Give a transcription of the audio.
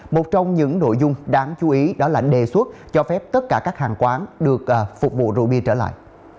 một trong những nội dung đáng chú ý đó là đề xuất cho phép tất cả các hàng quán được phục vụ rượu bia trở lại